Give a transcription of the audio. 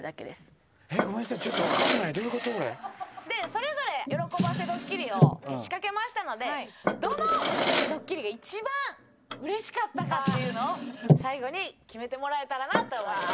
それぞれ喜ばせドッキリを仕掛けましたのでどのドッキリが一番嬉しかったかっていうのを最後に決めてもらえたらなって思います。